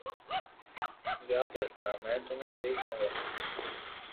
یاد رکھنا میں تمہیں دیکھ لوں گا